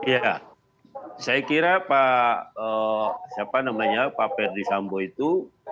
ya saya kira pak siapa namanya pak verdi sambo itu